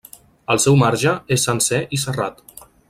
El seu marge és sencer i serrat.